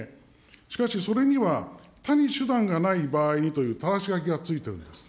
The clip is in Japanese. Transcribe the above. しかしそれには、他に手段がない場合にというただし書きがついております。